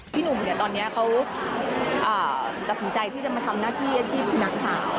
พี่หนุ่มเนี่ยตอนนี้เขาตัดสินใจที่จะมาทำหน้าที่อาชีพนักข่าว